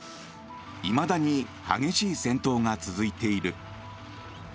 いまだに激しい戦闘が続いている。